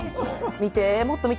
見て、もっと見て。